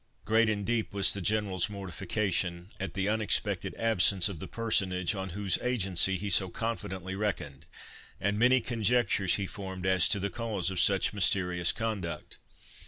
Great and deep was the General's mortification at the unexpected absence of the personage on whose agency he so confidently reckoned, and many conjectures he formed as to the cause of such mysterious conduct.